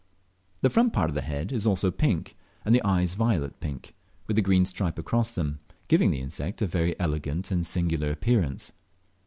The front part of the head is also pink, and the eyes violet pink, with a green stripe across them, giving the insect a very elegant and singular appearance.